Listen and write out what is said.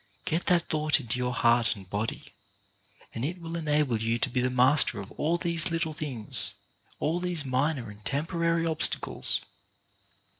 Get that thought into your heart and body, and it will enable you to be the master of all these little things, all these minor and temporary obstacles.